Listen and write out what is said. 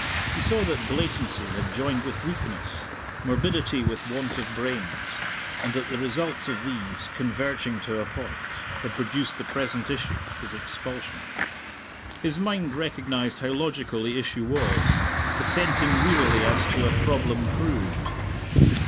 He saw that blatancy had joined with weakness, morbidity with want of brains; and that the results of these, converging to a point, had produced the present issue, his expulsion. His mind recognized how logical the issue was, assenting wearily as to a problem proved.